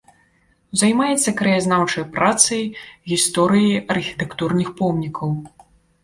Займаецца краязнаўчай працай, гісторыяй архітэктурных помнікаў.